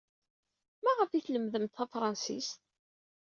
Maɣef ay tlemdemt tafṛansit?